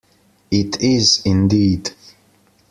It is, indeed!